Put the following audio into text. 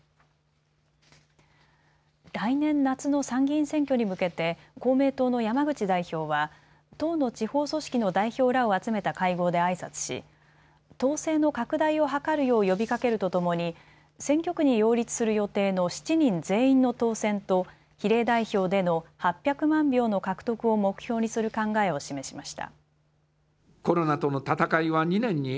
来年夏の参議院選挙に向けて公明党の山口代表は党の地方組織の代表らを集めた会合であいさつし党勢の拡大を図るよう呼びかけるとともに選挙区に擁立する予定の７人全員の当選と比例代表での８００万票の獲得を目標にする考えを示しました。